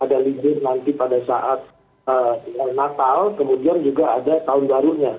ada libur nanti pada saat natal kemudian juga ada tahun barunya